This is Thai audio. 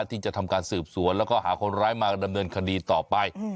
ที่จะทำการสืบสวนแล้วก็หาคนร้ายมาดำเนินคดีต่อไป